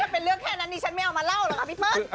เป็นเรื่องแค่นั้นดิฉันไม่เอามาเล่าหรอกค่ะพี่เปิ้ล